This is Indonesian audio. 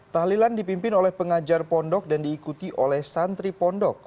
tahlilan dipimpin oleh pengajar pondok dan diikuti oleh santri pondok